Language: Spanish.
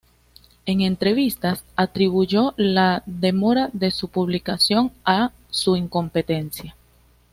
En entrevistas, atribuyó la demora de su publicación a su "incompetencia".